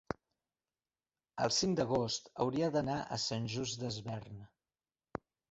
el cinc d'agost hauria d'anar a Sant Just Desvern.